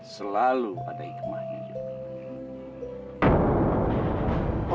selalu ada hikmahnya jok